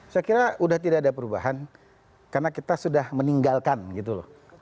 saya kira sudah tidak ada perubahan karena kita sudah meninggalkan gitu loh